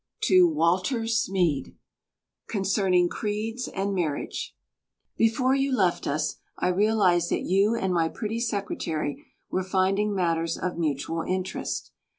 To Walter Smeed Concerning Creeds and Marriage Before you left us, I realized that you and my pretty secretary were finding matters of mutual interest.